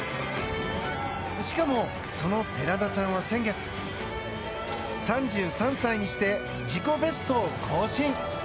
しかも、その寺田さんは先月３３歳にして自己ベストを更新。